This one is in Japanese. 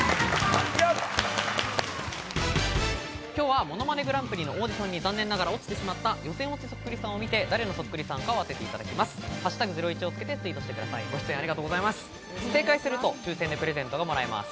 今日は『ものまねグランプリ』のオーディションに残念ながら落ちてしまった予選落ちそっくりさんを見て誰のそっくりさんかを当ててもらいます。